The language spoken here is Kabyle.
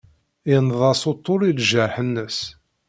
Yenneḍ-as utul i ljerḥ-nnes.